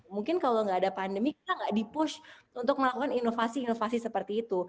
mungkin kalau nggak ada pandemi kita nggak di push untuk melakukan inovasi inovasi seperti itu